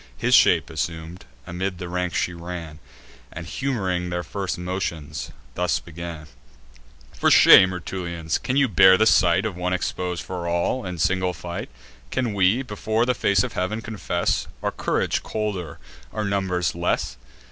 His shape assum'd, amid the ranks she ran, And humoring their first motions, thus began: "For shame, Rutulians, can you bear the sight Of one expos'd for all, in single fight? Can we, before the face of heav'n, confess Our courage colder, or our numbers less?